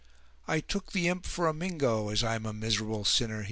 "I took the imp for a Mingo, as I'm a miserable sinner!"